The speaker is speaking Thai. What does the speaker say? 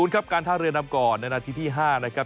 ครับการท่าเรือนำก่อนในนาทีที่๕นะครับ